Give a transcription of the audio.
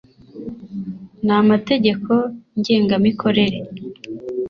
n amategeko ngengamikorere